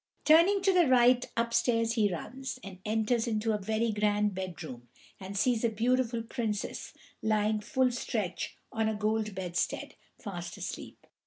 Turning to the right, upstairs he runs, and enters into a very grand bedroom, and sees a beautiful Princess lying full stretch on a gold bedstead, fast asleep.